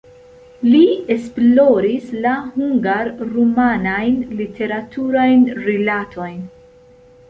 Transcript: Li esploris la hungar-rumanajn literaturajn rilatojn.